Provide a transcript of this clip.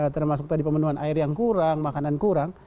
termasuk tadi pemenuhan air yang kurang makanan kurang